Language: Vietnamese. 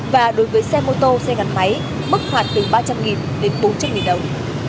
và đối với xe mô tô xe gắn máy mức phạt từ ba trăm linh đến bốn trăm linh đồng